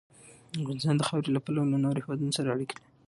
افغانستان د خاورې له پلوه له نورو هېوادونو سره اړیکې لري.